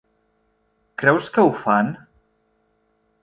Creus que ho fan?